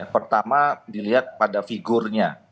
pertama dilihat pada figurnya